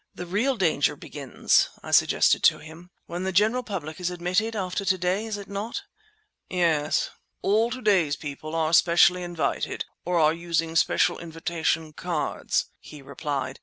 "The real danger begins," I suggested to him, "when the general public is admitted—after to day, is it not?" "Yes. All to day's people are specially invited, or are using special invitation cards," he replied.